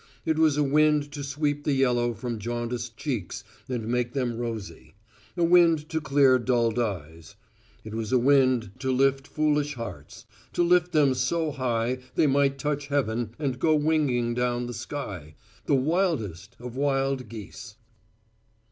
It was a wind to sweep the yellow from jaundiced cheeks and make them rosy; a wind to clear dulled eyes; it was a wind to lift foolish hearts, to lift them so high they might touch heaven and go winging down the sky, the wildest of wild geese.